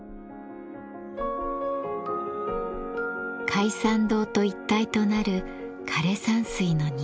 開山堂と一体となる枯山水の庭。